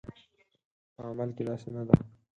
په عمل کې داسې نه ده